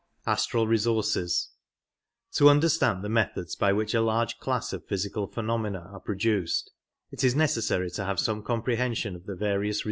To understand the methods by which a large class of physical phenomena are produced, it is necessary to have some comprehension of the various re Resom ces.